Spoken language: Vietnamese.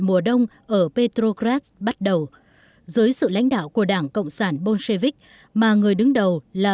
mùa đông ở petrograd bắt đầu dưới sự lãnh đạo của đảng cộng sản bolshevik mà người đứng đầu là